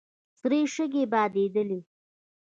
سرې شګې بادېدلې.